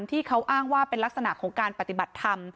ที่เขาอ้างว่าเป็นลักษณะของการปฏิบัติธรรม